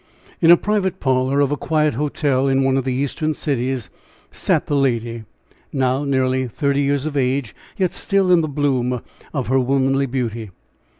In a private parlor of a quiet hotel, in one of the Eastern cities, sat the lady, now nearly thirty years of age, yet still in the bloom of her womanly beauty.